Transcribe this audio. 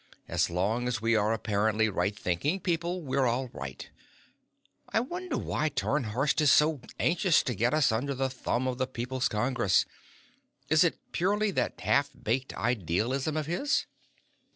As long as we are apparently right thinking people, we're all right. I wonder why Tarnhorst is so anxious to get us under the thumb of the People's Congress? Is it purely that half baked idealism of his?"